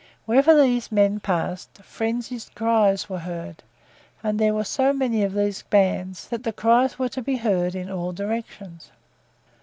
Wherever these men passed, frenzied cries were heard; and there were so many of these bands that the cries were to be heard in all directions.